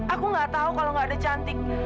aku nggak tahu kalau nggak ada cantik